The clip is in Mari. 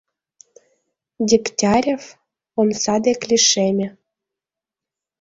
Дегтярев омса дек лишеме.